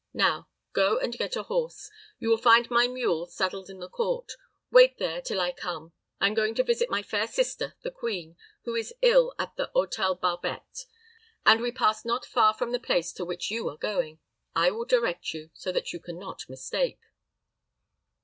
Now go and get a horse. You will find my mule saddled in the court. Wait there till I come. I am going to visit my fair sister, the queen, who is ill at the Hôtel Barbette, and we pass not far from the place to which you are going. I will direct you, so that you can not mistake."